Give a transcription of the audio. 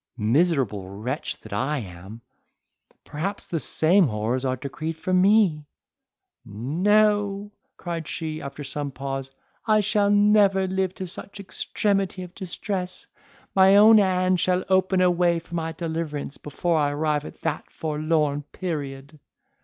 Miserable wretch that I am! perhaps the same horrors are decreed for me!" "No!" cried she, after some pause, "I shall never live to such extremity of distress; my own hand shall open a way for my deliverance, before I arrive at that forlorn period!"